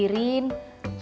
surti mau kok